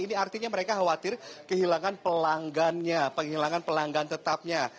ini artinya mereka khawatir kehilangan pelanggannya penghilangan pelanggan tetapnya